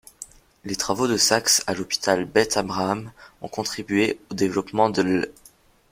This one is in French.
Les travaux de Sacks à l'hôpital Beth Abraham ont contribué au développement de l'.